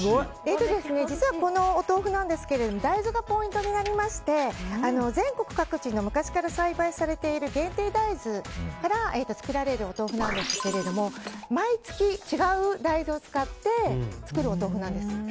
実はこのお豆腐は大豆がポイントになりまして全国各地の昔から栽培されている限定大豆から作られるお豆腐なんですけども毎日違う大豆を使って作るお豆腐なんです。